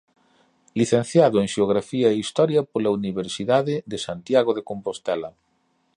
Licenciado en Xeografía e Historia pola Universidade de Santiago de Compostela.